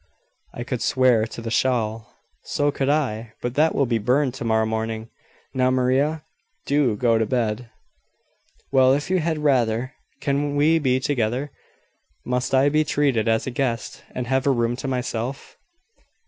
I could swear to the shawl." "So could I: but that will be burned to morrow morning. Now, Maria, do go to bed." "Well, if you had rather . Cannot we be together? Must I be treated as a guest, and have a room to myself?"